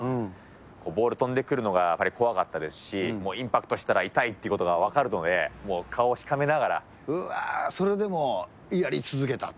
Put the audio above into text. ボール飛んでくるのがやっぱり怖かったですし、インパクトしたら痛いってことが分かるので、うわー、それでもやり続けた。